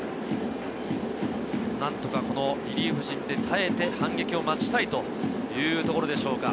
何とかこのリリーフ陣で耐えて、反撃を待ちたいというところでしょうか。